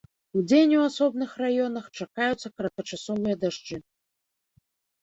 Удзень у асобных раёнах чакаюцца кароткачасовыя дажджы.